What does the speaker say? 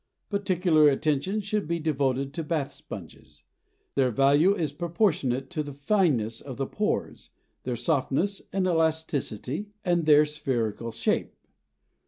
Particular attention should be devoted to bath sponges. Their value is proportionate to the fineness of the pores, their softness and elasticity, and their spherical shape.